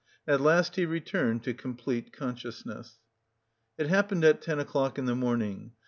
At last he returned to complete consciousness. It happened at ten o'clock in the morning.